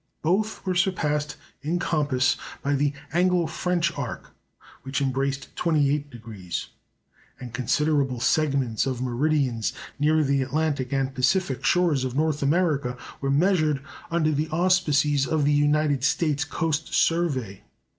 Both were surpassed in compass by the Anglo French arc, which embraced 28°; and considerable segments of meridians near the Atlantic and Pacific shores of North America were measured under the auspices of the United States Coast Survey.